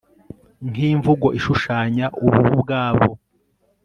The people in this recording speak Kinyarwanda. Nk imvugo ishushanya ububu bwabo